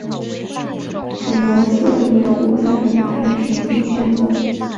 金宣宗贞佑四年仆散毅夫充任贺宋正旦使。